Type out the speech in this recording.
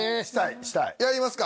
やりますか。